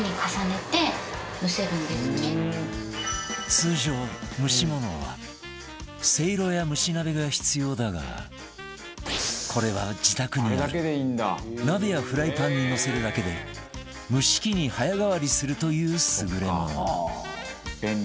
通常蒸し物はせいろや蒸し鍋が必要だがこれは自宅にある鍋やフライパンにのせるだけで蒸し器に早変わりするという優れもの